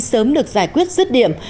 sớm được giải quyết rứt điểm